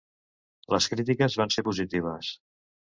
Les crítiques van ser positives.